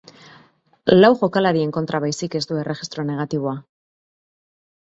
Lau jokalarien kontra baizik ez du erregistro negatiboa.